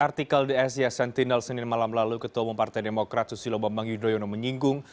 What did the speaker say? artikel di asia sentinel senin malam lalu ketua umum partai demokrat susilo bambang yudhoyono menyinggung